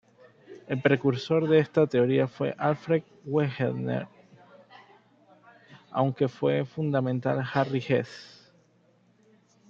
El precursor de esta teoría fue Alfred Wegener, aunque fue fundamentada Harry Hess.